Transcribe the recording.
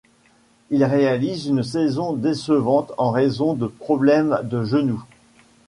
Il réalise une saison décevant en raison de problèmes de genou.